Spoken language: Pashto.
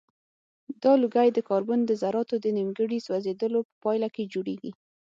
دا لوګی د کاربن د ذراتو د نیمګړي سوځیدلو په پایله کې جوړیږي.